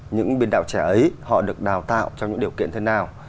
những biên đạo trẻ ấy họ được đào tạo trong những điều kiện thế nào